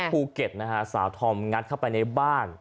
ภูเก็ตนะฮะสาวธอมงัดเข้าไปในบ้าน